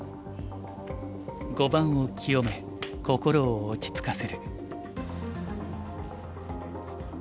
碁盤を清め心を落ち着かせる。